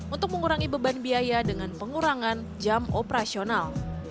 untuk mengurangi beban biaya dengan pengurangan jam operasional